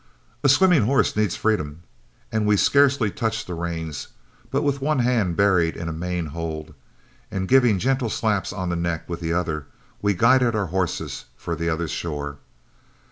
A swimming horse needs freedom, and we scarcely touched the reins, but with one hand buried in a mane hold, and giving gentle slaps on the neck with the other, we guided our horses for the other shore.